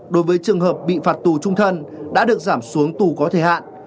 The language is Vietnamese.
đối với trường hợp bị phạt tù trung thân đã được giảm xuống tù có thời hạn